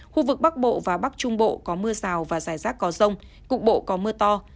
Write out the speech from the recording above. khu vực bắc bộ và bắc trung bộ có mưa rào và rải rác có rông cục bộ có mưa to